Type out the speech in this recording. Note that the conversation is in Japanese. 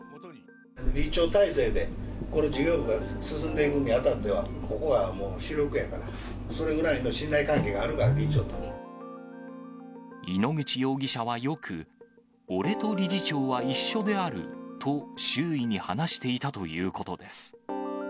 理事長体制でこの事業部が進んでいくにあたっては、ここがもう主力やから、それぐらいの信頼関係があるから、理事長との。井ノ口容疑者はよく、俺と理事長は一緒であると周囲に話していたということです。